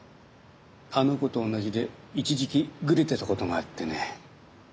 あの子とおんなじで一時期グレてたことがあってね。